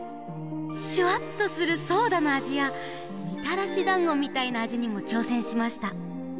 シュワっとするソーダのあじやみたらしだんごみたいなあじにもちょうせんしました。